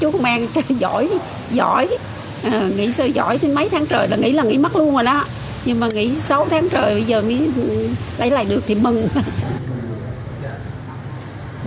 nhưng mà nghỉ sáu tháng trời bây giờ nghĩ lấy lại được thì mừng